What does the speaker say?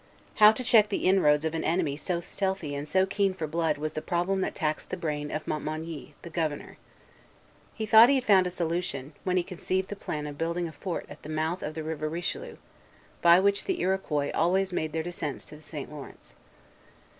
How to check the inroads of an enemy so stealthy and so keen for blood was the problem that taxed the brain of Montmagny, the Governor. He thought he had found a solution, when he conceived the plan of building a fort at the mouth of the River Richelieu, by which the Iroquois always made their descents to the St. Lawrence.